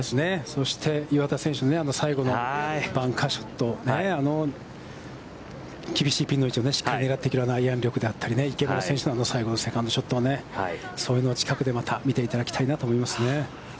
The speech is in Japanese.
そして岩田選手の最後のバンカーショット、あの厳しいピンの位置をしっかり狙っていくアイアン力であったり、池村選手の最後のセカンドショット、そういうのを近くでまた見ていただきたいなと思いますね。